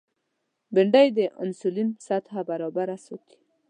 بېنډۍ د انسولین سطحه برابره ساتي